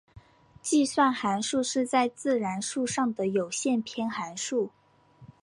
计算函数是在自然数上的有限偏函数。